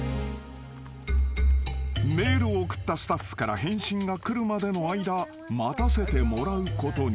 ［メールを送ったスタッフから返信が来るまでの間待たせてもらうことに。